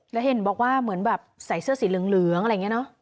แล้วเห็นบอกว่าเหมือนแบบใส่เสื้อสีเหลืองอะไรอย่างนี้เนอะ